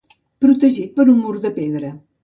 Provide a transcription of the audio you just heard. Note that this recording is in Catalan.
Protegit per un mur de pedra.